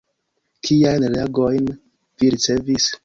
Kiajn reagojn vi ricevis?